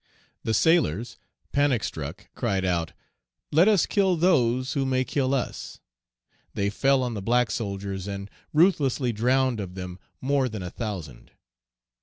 The sailors, panic struck, cried out, "Let us kill those who may kill us." They fell on the black soldiers, and ruthlessly drowned of them more than a thousand.